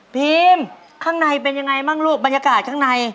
ข้างในเป็นยังไงบ้างลูกบรรยากาศข้างใน